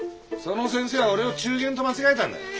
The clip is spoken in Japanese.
その先生は俺を中間と間違えたんだ。